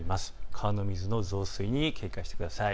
川の水の増水に警戒してください。